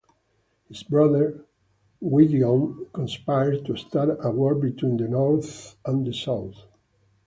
His brother Gwydion conspires to start a war between the north and the south.